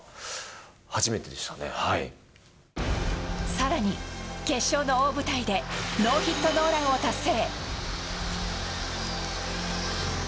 更に、決勝の大舞台でノーヒットノーランを達成。